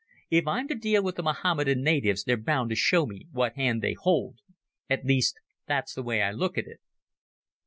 If I'm to deal with the Mohammedan natives they're bound to show me what hand they hold. At least, that's the way I look at it."